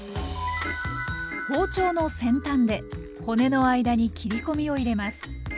包丁の先端で骨の間に切り込みを入れます。